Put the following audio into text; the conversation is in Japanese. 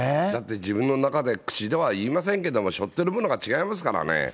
だって自分の中で口では言いませんけれども、しょってるものが違いますからね。